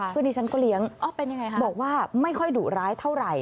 ที่ฉันก็เลี้ยงบอกว่าไม่ค่อยดุร้ายเท่าไหร่